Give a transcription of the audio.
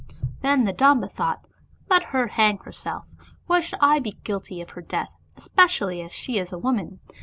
Then the Domba thought, " Let her hang herself, why should I be guilty of her death, especially as she is a woman?